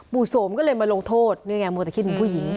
โสมก็เลยมาลงโทษนี่ไงมัวแต่คิดถึงผู้หญิง